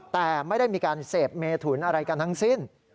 แต่ไม่ได้มีการเสพเมถุนอะไรกันทั้งสิ้น